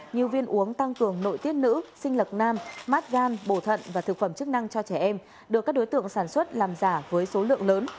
như viên uống tăng cường nội tiết nữ sinh lực nam mát gan bổ thận và thực phẩm chức năng cho trẻ em được các đối tượng sản xuất làm giả với số lượng lớn